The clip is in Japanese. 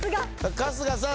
春日さん